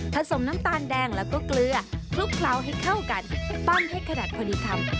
สมน้ำตาลแดงแล้วก็เกลือคลุกเคล้าให้เข้ากันปั้นให้ขนาดพอดีทำ